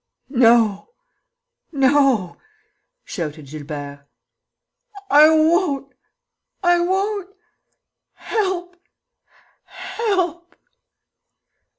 "No, no," shouted Gilbert, "I won't.... I won't.... Help! Help!"